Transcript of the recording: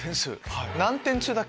何点中だっけ？